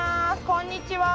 こんにちは！